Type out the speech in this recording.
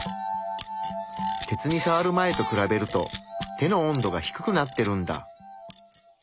鉄にさわる前と比べると手の温度が低くなってるんだ。